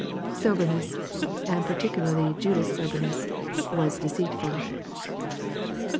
Soberness and particularly Judith's soberness was deceitful.